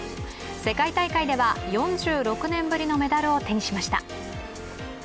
世界大会では４６年ぶりのメダルを手にしました。